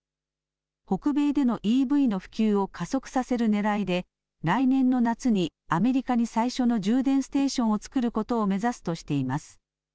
北米でのＥＶの普及を加速させるねらいで来年の夏にアメリカに最初の充電ステーションを作ることを目指すとしています。